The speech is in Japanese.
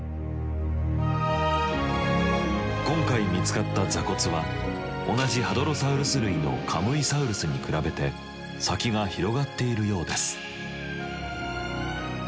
今回見つかった座骨は同じハドロサウルス類のカムイサウルスに比べて先が広がっているようです。